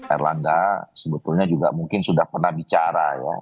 erlangga sebetulnya juga mungkin sudah pernah bicara ya